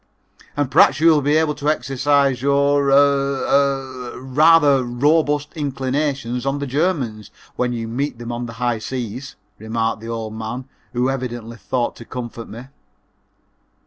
"And perhaps you will be able to exercise your er er rather robust inclinations on the Germans when you meet them on the high seas," remarked the old man, who evidently thought to comfort me.